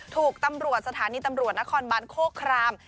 ถูกตำรวจสถานีตำรวจนครบานโคคราม